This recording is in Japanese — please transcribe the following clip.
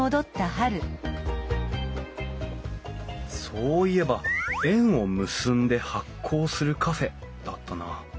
そういえば「縁を結んで発酵するカフェ」だったな。